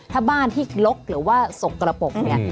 ถ้าบ้านที่ลกหรือว่าสกระปกเนี่ย